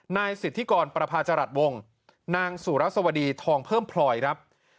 นายสิทธิกรประพาจรัสวงนางสุรสวดีทองเพิ่มพลอยครับ